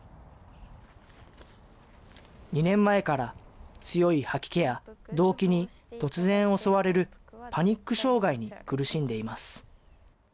２年前から強い吐き気や、どうきに突然襲われるパニック障害に苦しんでいます。